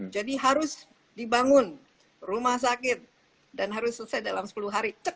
jadi harus dibangun rumah sakit dan harus selesai dalam sepuluh hari